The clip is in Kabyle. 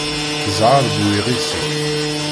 Ẓẓher bu iɣisi.